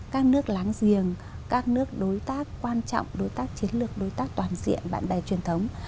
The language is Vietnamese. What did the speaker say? các nước láng giềng các nước đối tác quan trọng đối tác chiến lược đối tác toàn diện bạn bè truyền thống